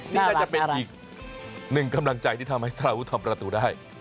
นี่น่าจะเป็นอีกหนึ่งกำลังใจที่ทำให้สารวุฒิทำประตูได้